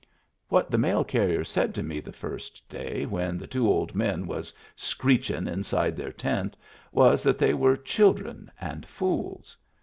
What the mail carrier said to me the first day, when the two old men was screechin' inside their tent, was that they were children and fools.